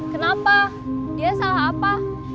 kenapa dia salah apa